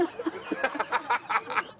ハハハハ！